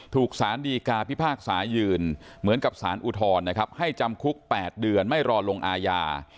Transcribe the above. ถูกสารดีกาพิพากษายืนเหมือนกับสารอุทรให้จำคุก๘เดือนไม่รอลงอายา